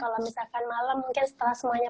kalo misalkan malem mungkin setelah semuanya